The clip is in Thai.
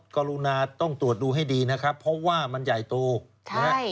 กรุณาต้องตรวจดูให้ดีนะครับเพราะว่ามันใหญ่โตนะฮะ